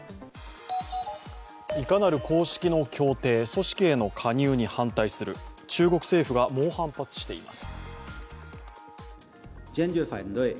いかなる公式の協定、組織への加入に反対する中国政府が猛反発しています。